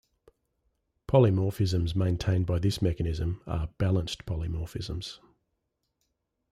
Polymorphisms maintained by this mechanism are "balanced polymorphisms".